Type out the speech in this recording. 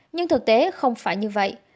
nhưng thực tế không phải như vậy